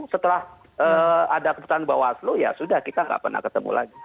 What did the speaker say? setelah ada keputusan bawaslu ya sudah kita nggak pernah ketemu lagi